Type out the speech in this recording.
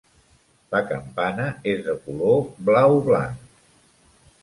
La campana és de color blau-blanc.